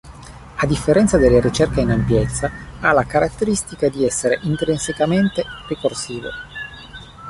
A differenza della ricerca in ampiezza, ha la caratteristica di essere intrinsecamente ricorsivo.